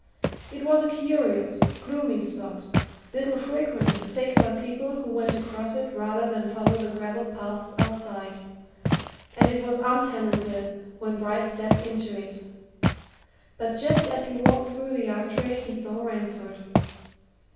It was a curious, gloomy spot, little frequented save by people who went across it rather than follow the gravelled paths outside, and it was untenanted when Bryce stepped into it. But just as he walked through the archway he saw Ransford.